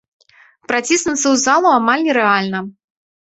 Праціснуцца ў залу амаль нерэальна.